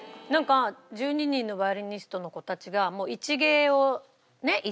なんか１２人のヴァイオリニストの子たちがもう一芸をね